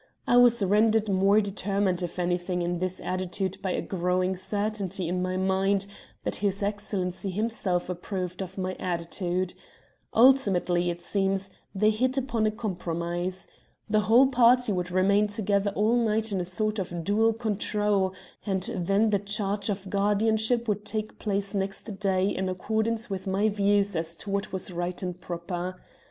I was rendered more determined, if anything, in this attitude by a growing certainty in my mind that his Excellency himself approved of my attitude. Ultimately, it seems, they hit upon a compromise. The whole party would remain together all night in a sort of dual control, and then the change of guardianship would take place next day in accordance with my views as to what was right and proper.